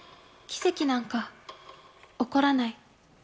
奇跡なんか起こらない。